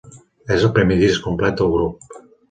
És el primer disc complet del grup.